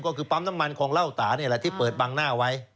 ก็คือปั๊มน้ำมันของเล่าตาที่เปิดบังหน้าไว้